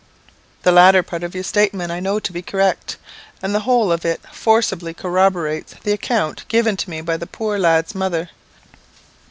"The latter part of your statement I know to be correct; and the whole of it forcibly corroborates the account given to me by the poor lad's mother.